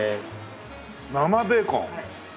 生ベーコン？